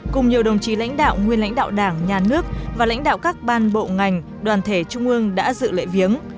cùng nhiều đồng chí lãnh đạo nguyên lãnh đạo đảng nhà nước và lãnh đạo các ban bộ ngành đoàn thể trung ương đã dự lễ viếng